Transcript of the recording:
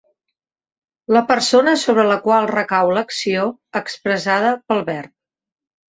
La persona sobre la qual recau l'acció expressada pel verb.